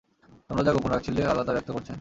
তোমরা যা গোপন রাখছিলে, আল্লাহ্ তা ব্যক্ত করছেন।